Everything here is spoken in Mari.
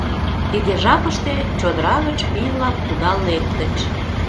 Тиде жапыште чодыра гыч пий-влак кудал лектыч.